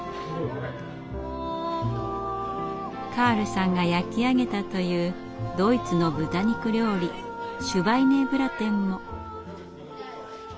カールさんが焼き上げたというドイツの豚肉料理シュバイネブラテンも。